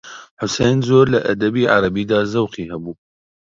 حوسێن زۆر لە ئەدەبی عەرەبیدا زەوقی هەبوو